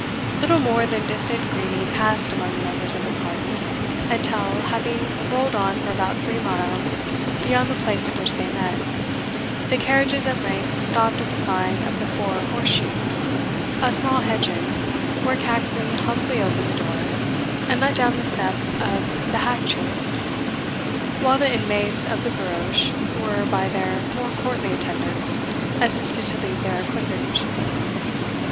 Little more than distant greeting passed among the members of the party, until, having rolled on for about three miles beyond the place at which they met, the carriages at length stopped at the sign of the Four Horse shoes, a small hedge inn, where Caxon humbly opened the door, and let down the step of the hack chaise, while the inmates of the barouche were, by their more courtly attendants, assisted to leave their equipage.